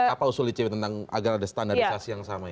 apa usul icw agar ada standarisasi yang sama